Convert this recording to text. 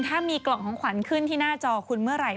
ถ้ามีกล่องของขวัญขึ้นที่หน้าจอคุณเมื่อไหร่